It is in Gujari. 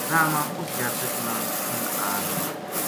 راہ ما اس جاتک نا ٹھنڈآگئی